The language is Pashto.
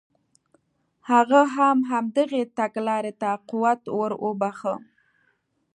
هغه هم همدغې تګلارې ته قوت ور وبخښه.